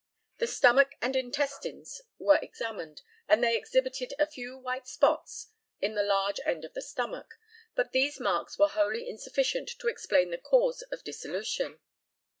The stomach and intestines were examined, and they exhibited a few white spots at the large end of the stomach, but these marks were wholly insufficient to explain the cause of dissolution.